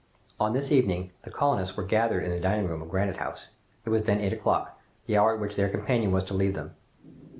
On this evening the colonists were gathered in the diningroom of Granite House. It was then eight o'clock, the hour at which their companion was to leave them.